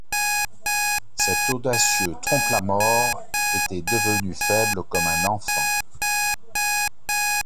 Cet audacieux Trompe-la-Mort était devenu faible comme un enfant.